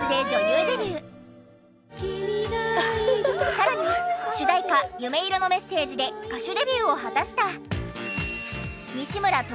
さらに主題歌『夢色のメッセージ』で歌手デビューを果たした。